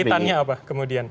oke kaitannya apa kemudian